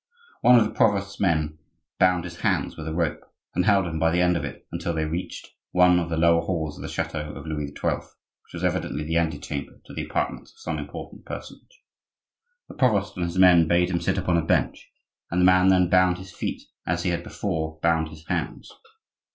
One of the provost's men bound his hands with a rope and held him by the end of it until they reached one of the lower halls of the chateau of Louis XII., which was evidently the antechamber to the apartments of some important personage. The provost and his men bade him sit upon a bench, and the man then bound his feet as he had before bound his hands.